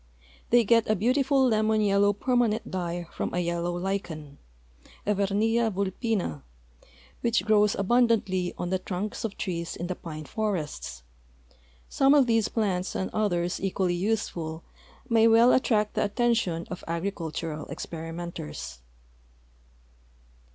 They get a beautiful lemon yellow permanent dye from a 3^ellow lichen, Evernia vidpinn, which grows al)un dantly on the trunks of trees in the i)ine forests. Some of these plants and others equally useful may well attract the attention of agricultural exi)erimenters.